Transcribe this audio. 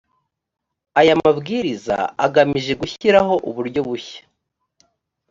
aya mabwiriza agamije gushyiraho uburyo bushya.